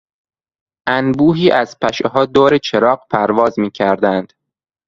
انبوهی از پشهها دور چراغ پرواز میکردند.